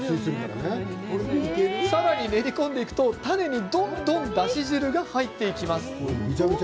さらに練り込んでいくとタネにどんどんだし汁が入っていきます。